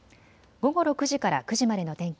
午後６時から９時までの天気。